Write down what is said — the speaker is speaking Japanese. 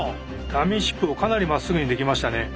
ダミーシップをかなりまっすぐにできましたね。